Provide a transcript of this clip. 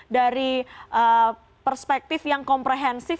dari perspektif yang komprehensif